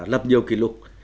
tăng trưởng tham dũng